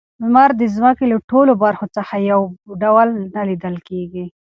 لمر د ځمکې له ټولو برخو څخه یو ډول نه لیدل کیږي.